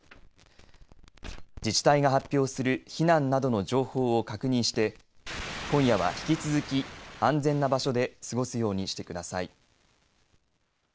自治体が発表する避難などの情報を確認して今夜は引き続き安全な場所で過ごすようにしてください。